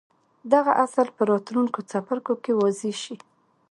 دغه اصل به په راتلونکو څپرکو کې واضح شي.